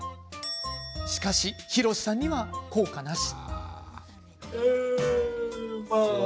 しかしひろしさんには効果なし。